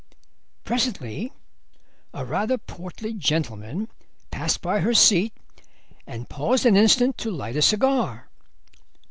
"Presently a rather portly gentleman passed by her seat and paused an instant to light a cigar.